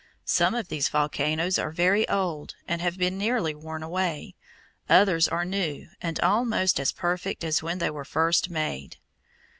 Some of these volcanoes are very old and have been nearly worn away; others are new and almost as perfect as when they were first made.